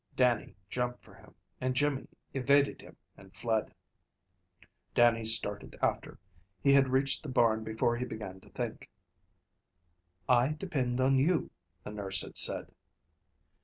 Dannie jumped for him, and Jimmy evaded him and fled. Dannie started after. He had reached the barn before he began to think. "I depend on you," the nurse had said.